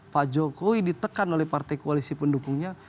pak jokowi ditekan oleh partai koalisi pendukungnya